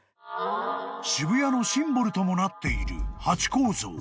［渋谷のシンボルともなっているハチ公像］